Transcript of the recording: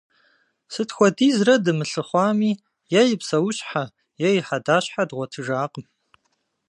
Сыт хуэдизрэ дымылъыхъуами, е и псэущхьэ е и хьэдащхьэ дгъуэтыжакъым.